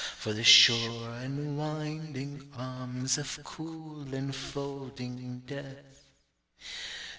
For the sure enwinding arms of cool enfolding death_.